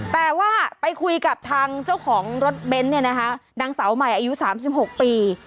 แต่ว่าไปคุยกับทางเจ้าของรถเบนท์เนี่ยนะคะนางสาวใหม่อายุ๓๖ปี